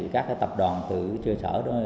các cái tập đoàn từ chơi sở đó